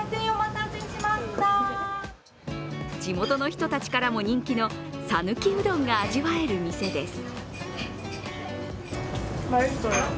地元の人たちからも人気の讃岐うどんが味わえる店です。